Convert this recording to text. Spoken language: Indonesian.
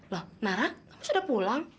loh nara kamu sudah pulang